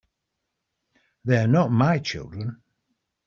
They're not my children.